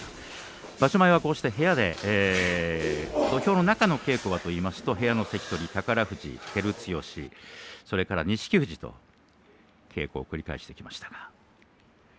場所前はこうして部屋で土俵の中の稽古というと部屋の関取宝富士、照強そして錦富士と稽古を繰り返してきました。